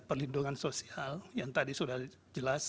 perlindungan sosial yang tadi sudah jelas